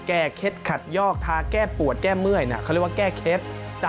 เคล็ดขัดยอกทาแก้ปวดแก้เมื่อยเขาเรียกว่าแก้เคล็ด